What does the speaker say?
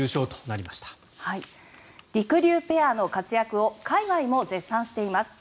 りくりゅうペアの活躍を海外も絶賛しています。